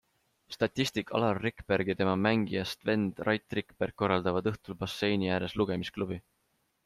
Statistik Alar Rikberg ja tema mängijast vend Rait Rikberg korraldavad õhtul basseini ääres lugemisklubi.